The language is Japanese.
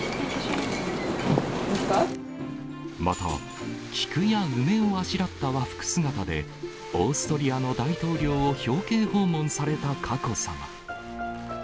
また、菊や梅をあしらった和服姿で、オーストリアの大統領を表敬訪問された佳子さま。